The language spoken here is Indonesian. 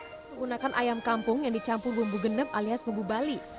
menggunakan ayam kampung yang dicampur bumbu genep alias bumbu bali